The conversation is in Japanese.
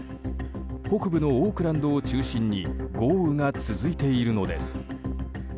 北部のオークランドを中心に豪雨が続いているのです。